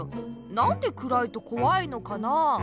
なんでくらいとこわいのかなあ？